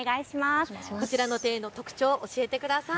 こちらの庭園の特徴を教えてください。